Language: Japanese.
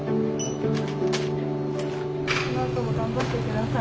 このあとも頑張って下さい。